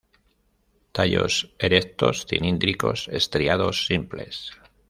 Tallos erectos, cilíndricos, estriados, simples.